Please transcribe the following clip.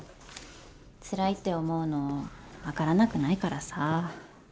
つらいって思うの分からなくないからさ。